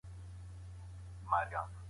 د رواجونو لپاره قرض کول ښه کار ندی.